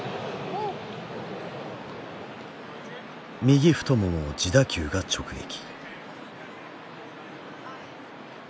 右太ももを自打球が直撃。